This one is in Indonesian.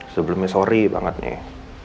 sebelumnya sorry banget nih